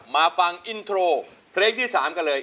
มาฟังอินโทรเพลงที่๓กันเลย